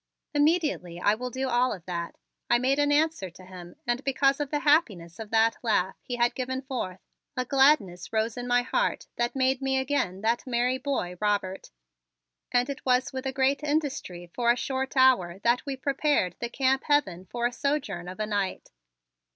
"Immediately I will do all of that," I made an answer to him and because of the happiness of that laugh he had given forth, a gladness rose in my heart that made me again that merry boy Robert. And it was with a great industry for a short hour that we prepared the Camp Heaven for a sojourn of a night.